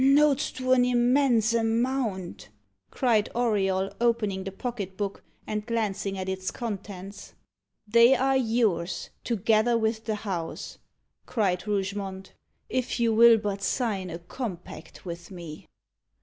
] "Notes to an immense amount!" cried Auriol, opening the pocket book, and glancing at its contents. "They are yours, together with the house," cried Rougemont, "if you will but sign a compact with me."